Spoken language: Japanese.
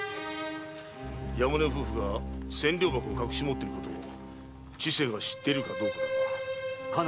山根夫婦が千両箱を隠し持っていることを千世が知っているかどうかだな。